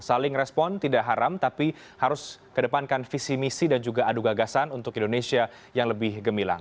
saling respon tidak haram tapi harus kedepankan visi misi dan juga adu gagasan untuk indonesia yang lebih gemilang